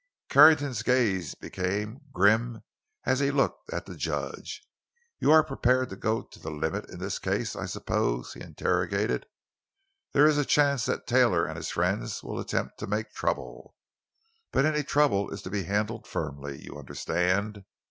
Carrington's gaze became grim as he looked at the judge. "You are prepared to go the limit in this case, I suppose?" he interrogated. "There is a chance that Taylor and his friends will attempt to make trouble. But any trouble is to be handled firmly, you understand.